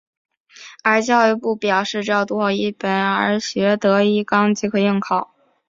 而教育部表示只要读好一本而学得一纲即可应考。